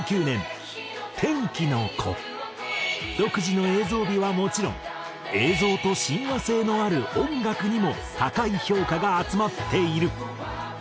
独自の映像美はもちろん映像と親和性のある音楽にも高い評価が集まっている。